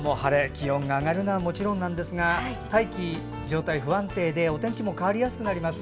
気温が上がるのはもちろんですが大気の状態、不安定でお天気も変わりやすくなります。